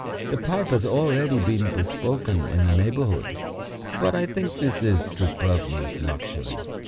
The pipe has already been bespoken in the neighbourhood, but I think this is superfluous luxury.